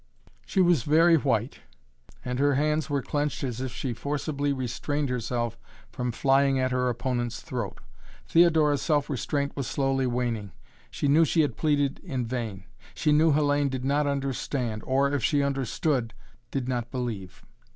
She was very white, and her hands were clenched as if she forcibly restrained herself from flying at her opponent's throat. Theodora's self restraint was slowly waning. She knew she had pleaded in vain. She knew Hellayne did not understand, or, if she understood, did not believe.